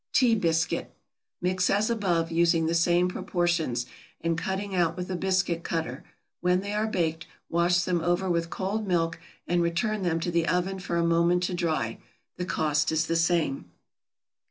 =Tea Biscuit.= Mix as above, using the same proportions, and cutting out with a biscuit cutter; when they are baked, wash them over with cold milk, and return them to the oven for a moment to dry. The cost is the same.